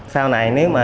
sau này nếu mà